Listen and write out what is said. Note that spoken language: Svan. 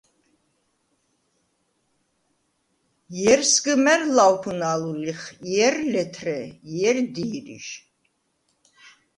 ჲერ სგჷმა̈რ ლავფუნალვ ლიხ, ჲერ – ლეთრე, ჲერ – დი̄რიშ.